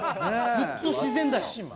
ずっと自然だよ。